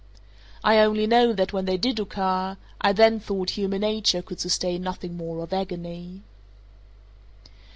I only know, that when they did occur, I then thought human nature could sustain nothing more of agony.